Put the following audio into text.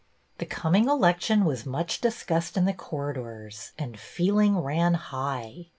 The coming election was much discussed in the corridors, and feeling ran high.